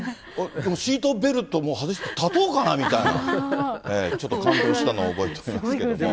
シートベルトも外して立とうかなみたいな、ちょっと感動したの覚えておりますけれども。